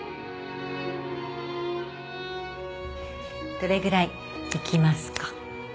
どれぐらいいきますか？